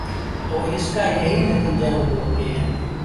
تو اس کا یہی نتیجہ متوقع ہے۔